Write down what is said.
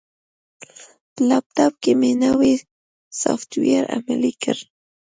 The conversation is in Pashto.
په لپټاپ کې مې نوی سافټویر عملي کړ.